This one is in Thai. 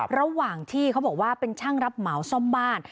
ระหว่างที่เขาบอกว่าเป็นช่างรับเหมาซ่อมบ้าน